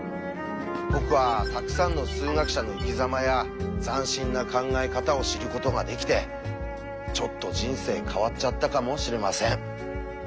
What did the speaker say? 僕はたくさんの数学者の生きざまや斬新な考え方を知ることができてちょっと人生変わっちゃったかもしれません。